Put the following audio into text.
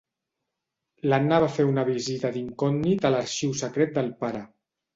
L'Anna va fer una visita d'incògnit a l'arxiu secret del pare.